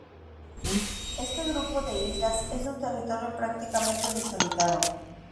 Este grupo de islas es un territorio prácticamente deshabitado.